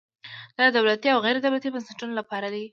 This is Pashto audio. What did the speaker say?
دا د دولتي او غیر دولتي بنسټونو لپاره دی.